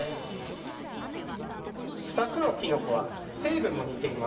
２つのキノコは成分も似ています。